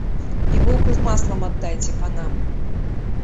І булку з маслам аддайце панам!